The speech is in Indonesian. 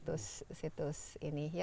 kita akan melihat situs berikutnya